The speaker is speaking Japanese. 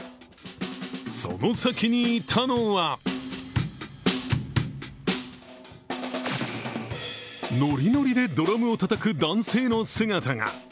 その先にいたのはノリノリでドラムをたたく男性の姿が。